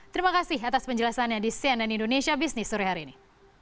terima kasih atas penjelasannya di cnn indonesia business sore hari ini